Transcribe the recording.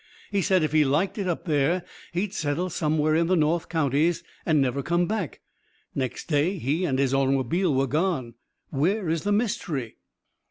He said if he liked it up there he'd settle somewhere in the north counties and never come back. Next day he and his automobile were gone. Where is the mystery?"